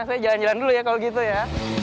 saya jalan jalan dulu ya kalau gitu ya